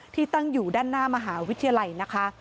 ที่ตั้งอยู่ด้านหน้ามหาวิทยาลัยนะคะ